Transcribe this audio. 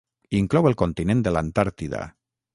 Inclou el continent de l'Antàrtida.